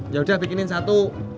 yaudah bikinin satu